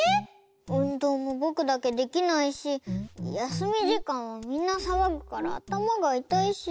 うんどうもぼくだけできないしやすみじかんはみんなさわぐからあたまがいたいし。